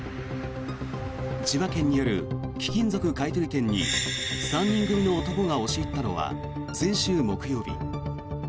千葉県にある貴金属買い取り店に３人組の男が押し入ったのは先週木曜日。